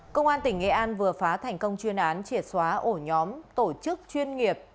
công an tỉnh nghệ an vừa phá thành công chuyên án triệt xóa ổ nhóm tổ chức chuyên nghiệp